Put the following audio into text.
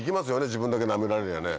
自分だけなめられりゃね。